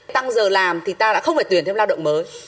tăng giờ làm thì ta lại không phải tuyển thêm lao động mới